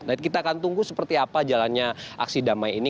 nah kita akan tunggu seperti apa jalannya aksi damai ini